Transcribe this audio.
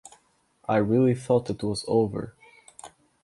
I really thought it was over.